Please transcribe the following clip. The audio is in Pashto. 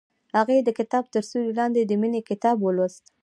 هغې د کتاب تر سیوري لاندې د مینې کتاب ولوست.